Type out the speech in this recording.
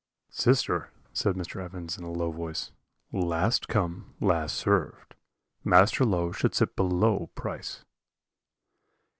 "'Sister,' said Mr. Evans, in a low voice, 'last come, last served Master Low should sit below Price.'